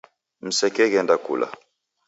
Msekeghenda kula